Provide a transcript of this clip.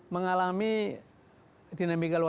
mengalami dinamika luar biasa